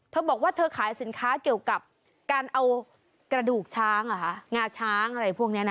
เธอบอกว่าเธอขายสินค้าเกี่ยวกับการเอากระดูกช้างเหรอคะงาช้างอะไรพวกนี้นะ